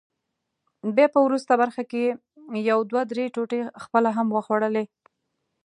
بیا په وروست برخه کې یې یو دوه درې ټوټې خپله هم وخوړلې.